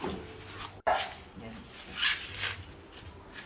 นี่ลูกหนูประมาณเดือน